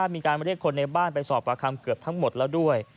มีการเรียกคนในบ้านไปสอบประคำเกือบทั้งหมดแล้วด้วย